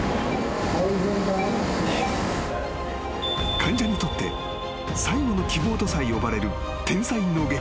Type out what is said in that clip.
［患者にとって最後の希望とさえ呼ばれる天才脳外科医］